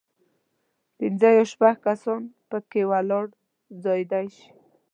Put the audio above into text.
پنځه یا شپږ کسان په کې ولاړ ځایېدای شي.